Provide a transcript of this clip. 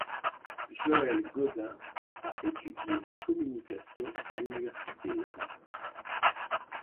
Joël Godin a étudié en communications à l'Université Laval.